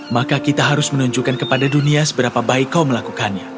maka kita harus menunjukkan kepada dunia seberapa baik kau melakukannya